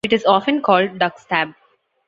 It is often called Duck Stab!